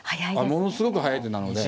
ものすごく速い手なので。